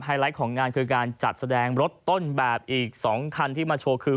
ไลท์ของงานคือการจัดแสดงรถต้นแบบอีก๒คันที่มาโชว์คือ